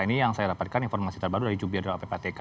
ini yang saya dapatkan informasi terbaru dari jubiadral ppatk